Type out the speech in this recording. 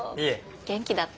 元気だった？